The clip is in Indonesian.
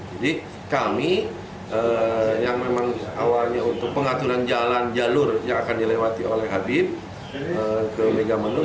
jadi kami yang memang awalnya untuk pengaturan jalan jalur yang akan dilewati oleh habib ke megabendung